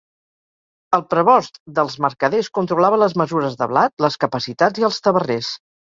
El Prebost dels mercaders controlava les mesures de blat, les capacitats i als taverners.